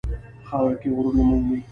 په خاوره کې غرور نه مومي.